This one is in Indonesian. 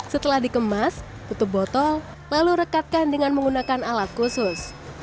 setelah dikemas tutup botol lalu rekatkan dengan menggunakan alat khusus